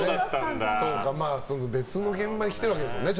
別の現場に来てるわけですもんね。